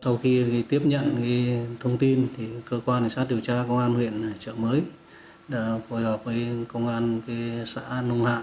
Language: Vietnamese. sau khi tiếp nhận thông tin cơ quan sát điều tra công an huyện trợ mới đã hội hợp với công an xã nông hạ